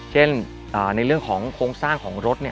ในเรื่องของโครงสร้างของรถ